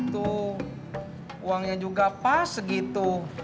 tuh uangnya juga pas gitu